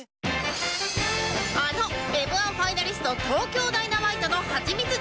あの Ｍ−１ ファイナリスト東京ダイナマイトのハチミツ